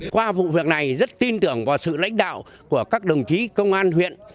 qua vụ việc này rất tin tưởng vào sự lãnh đạo của các đồng chí công an huyện